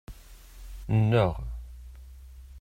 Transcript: Nneɣ.